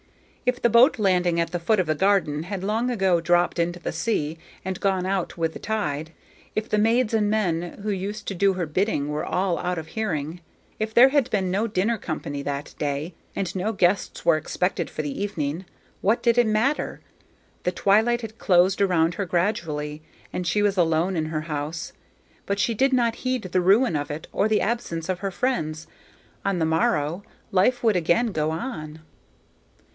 If the boat landing at the foot of the garden had long ago dropped into the river and gone out with the tide; if the maids and men who used to do her bidding were all out of hearing; if there had been no dinner company that day and no guests were expected for the evening, what did it matter? The twilight had closed around her gradually, and she was alone in her house, but she did not heed the ruin of it or the absence of her friends. On the morrow, life would again go on.